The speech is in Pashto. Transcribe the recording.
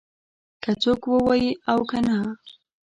که څوک ووايي او که نه.